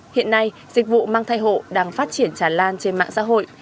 hiện nay dịch vụ mang thai hộ đang phát triển tràn lan trên mạng xã hội